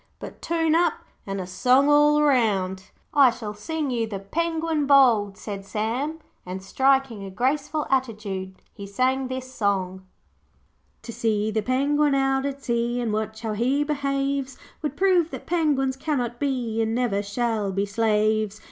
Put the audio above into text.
But toon up, and a song all round.' 'I shall sing you the "Penguin Bold",' said Sam, and, striking a graceful attitude, he sang this song 'To see the penguin out at sea, And watch how he behaves, Would prove that penguins cannot be And never shall be slaves.